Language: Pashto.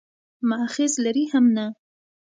مأخذ لري هم نه.